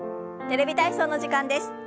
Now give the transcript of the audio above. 「テレビ体操」の時間です。